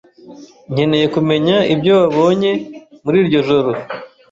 Nkeneye kumenya ibyo wabonye muri iryo joro.